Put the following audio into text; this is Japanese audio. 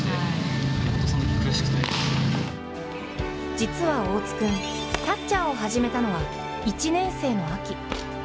実は、大津君、キャッチャーを始めたのは１年生の秋。